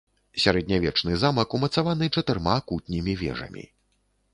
Сярэднявечны замак умацаваны чатырма кутнімі вежамі.